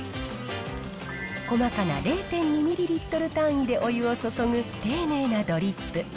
細かな０．２ミリリットル単位でお湯を注ぐ丁寧なドリップ。